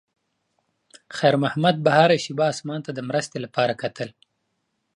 خیر محمد به هره شېبه اسمان ته د مرستې لپاره کتل.